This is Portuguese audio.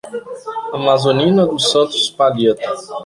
Amazonina dos Santos Palheta